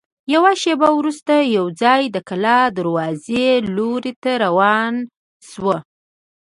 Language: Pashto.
یوه شېبه وروسته یوځای د کلا د دروازې لور ته روان شوو.